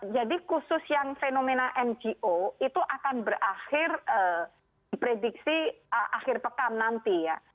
jadi khusus yang fenomena ngo itu akan berakhir di prediksi akhir pekan nanti ya